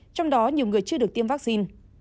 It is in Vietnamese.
trong đó nhiều người chưa được tiêm vaccine